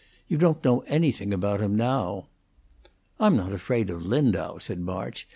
You don't know anything about him now." "I'm not afraid of Lindau," said March.